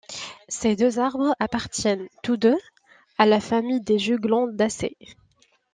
Ces deux arbres appartiennent tous deux à la famille des juglandacées.